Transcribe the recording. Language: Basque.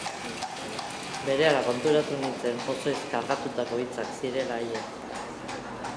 Berehala konturatu nintzen pozoiz kargatutako hitzak zirela haiek.